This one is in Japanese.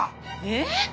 えっ？